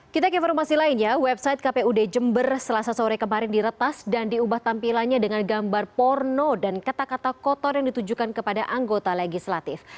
kita ke informasi lainnya website kpud jember selasa sore kemarin diretas dan diubah tampilannya dengan gambar porno dan kata kata kotor yang ditujukan kepada anggota legislatif